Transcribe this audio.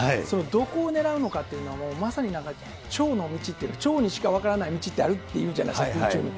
そのどこをねらうのかっていうのも、まさにちょうの道っていうか、ちょうにしか分からない道ってあるっていうじゃないですか。